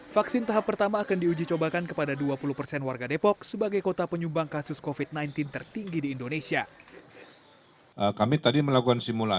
vaksin tahap pertama akan diuji cobakan kepada dua puluh persen warga depok sebagai kota penyumbang kasus covid sembilan belas tertinggi di indonesia